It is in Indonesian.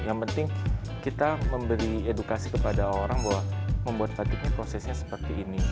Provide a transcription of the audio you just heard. yang penting kita memberi edukasi kepada orang bahwa membuat batik ini prosesnya seperti ini